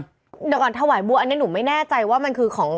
เดี๋ยวก่อนถวายบัวอันนี้หนูไม่แน่ใจว่ามันคือของ